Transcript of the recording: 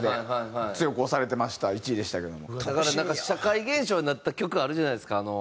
だから社会現象になった曲あるじゃないですか。